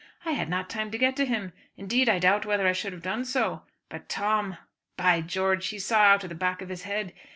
I had not time to get to him; indeed I doubt whether I should have done so, but Tom, ; by George, he saw out of the back of his head.